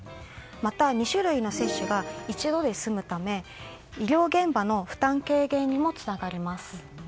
また、２種類の接種が１度で済むため医療現場の負担軽減にもつながります。